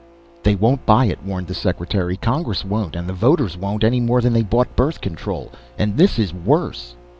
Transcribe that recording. "They won't buy it," warned the Secretary. "Congress won't, and the voters won't, any more than they bought birth control. And this is worse."